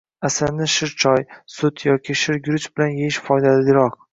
Asalni shirchoy, sut yoki shirguruch bilan yeyish foydaliroq.